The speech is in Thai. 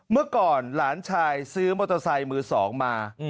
เมื่อก่อนหลานชายซื้อมอเตอร์ไซค์มือสองมา